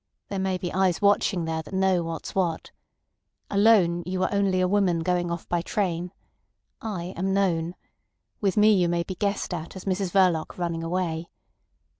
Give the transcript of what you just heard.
There may be eyes watching there that know what's what. Alone you are only a woman going off by train. I am known. With me, you may be guessed at as Mrs Verloc running away.